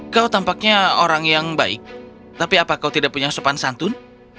kau tampaknya orang yang baik tapi apakah kau tidak punya sopan santun